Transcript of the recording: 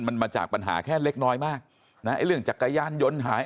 มันมาจากปัญหาแค่เล็กน้อยมากนะไอ้เรื่องจักรยานยนต์หาย